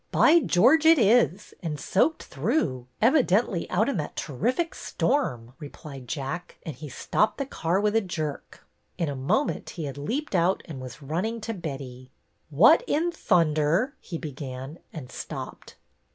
'' By George, it is, and soaked through, evi dently out in that terrific storm," replied Jack, and he stopped the car with a jerk. In a mo ment he had leaped out and was running to Betty. '' What in thunder —" he began, and stopped.